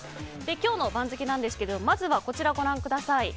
今日の番付ですがまずはこちらをご覧ください。